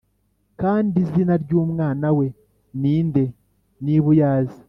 kandi izina ry’umwana we ni nde niba uyazi’